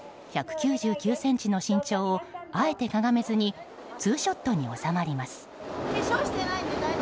１９９ｃｍの身長をあえてかがめずにツーショットに納まります。